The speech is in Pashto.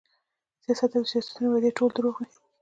سیاست او د سیاسیونو وعدې ټولې دروغ وې